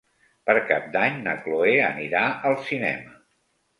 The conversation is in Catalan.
Per Cap d'Any na Chloé anirà al cinema.